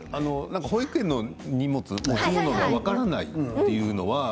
保育園の持ち物が分からないというのは。